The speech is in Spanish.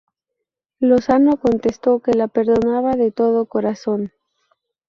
Lozano contestó que la perdonaba de todo corazón.